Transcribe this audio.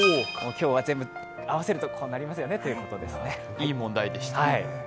今日は全部合わせるとこうなりますよねという問題でした。